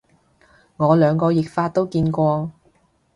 我兩個譯法都見過